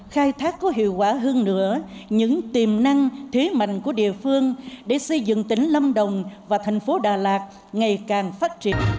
khai thác có hiệu quả hơn nữa những tiềm năng thế mạnh của địa phương để xây dựng tỉnh lâm đồng và thành phố đà lạt ngày càng phát triển